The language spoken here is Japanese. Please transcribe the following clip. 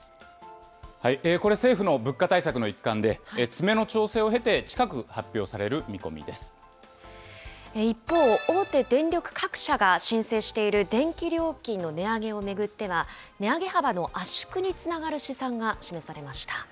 これ、政府の物価対策の一環で、詰めの調整を経て、近く発表一方、大手電力各社が申請している電気料金の値上げを巡っては、値上げ幅の圧縮につながる試算が示されました。